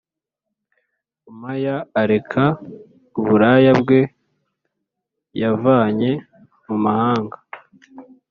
Maya areka uburaya bwe yavanye mu mahanga